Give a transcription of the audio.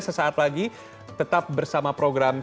sesaat lagi tetap bersama program